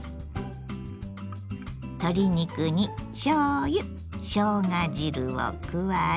鶏肉にしょうゆしょうが汁を加え。